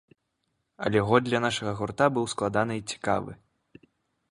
Але год для нашага гурта быў складаны і цікавы.